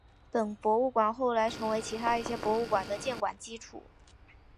本博物馆后来成为其他一些博物馆的建馆基础。